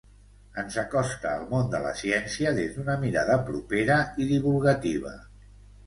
Ens acosta al món de la ciència des d'una mirada propera i divulgativa.